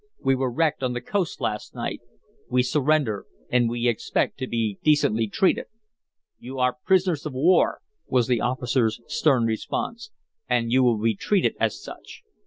"We were wrecked on the coast last night. We surrender, and we expect to be decently treated." "You are prisoners of war," was the officer's stern response, "and you will be treated as such.